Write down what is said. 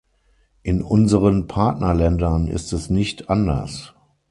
In unseren Partnerländern ist es nicht anders.